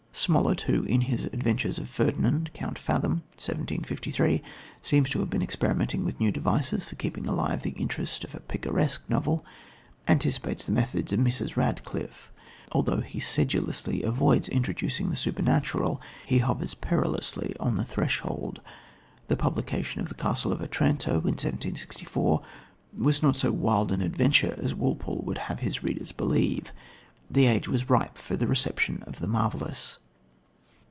Smollett, who, in his Adventures of Ferdinand, Count Fathom (1753), seems to have been experimenting with new devices for keeping alive the interest of a picaresque novel, anticipates the methods of Mrs. Radcliffe. Although he sedulously avoids introducing the supernatural, he hovers perilously on the threshold. The publication of The Castle of Otranto in 1764 was not so wild an adventure as Walpole would have his readers believe. The age was ripe for the reception of the marvellous.